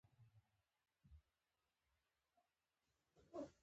مسېنجر د پیغامونو خوندیتوب تضمینوي.